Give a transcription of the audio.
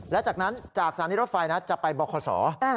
และจากนั้นจากสถานีรถไฟนะจะไปบคศ